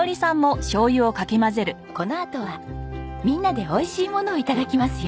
このあとはみんなでおいしいものを頂きますよ。